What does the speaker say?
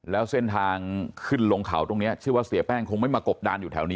แล้วเส้นทางขึ้นลงเขาตรงนี้เชื่อว่าเสียแป้งคงไม่มากบดานอยู่แถวนี้